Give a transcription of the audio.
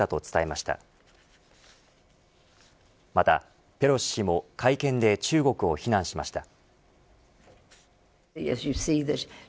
またペロシ氏も会見で中国を非難しました。